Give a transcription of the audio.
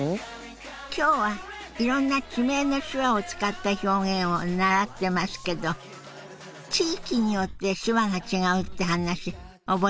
今日はいろんな地名の手話を使った表現を習ってますけど地域によって手話が違うって話覚えてます？